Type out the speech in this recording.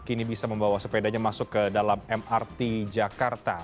kini bisa membawa sepedanya masuk ke dalam mrt jakarta